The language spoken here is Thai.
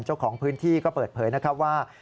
เจ้าของพื้นที่ก็เปิดเผยนะครับว่า